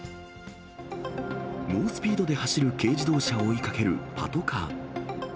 猛スピードで走る軽自動車を追いかけるパトカー。